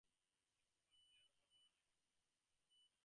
He took out clear over one hundred yards of line.